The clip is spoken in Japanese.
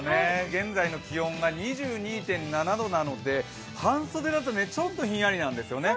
現在の気温が２２．７度なので、半袖だとちょっとひんやりなんですよね